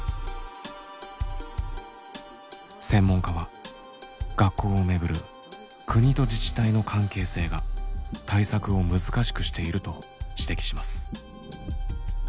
専門家は学校を巡る国と自治体の関係性が対策を難しくしていると指摘します。